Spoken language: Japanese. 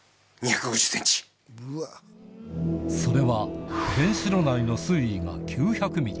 それは原子炉内の水位が９００ｍｍ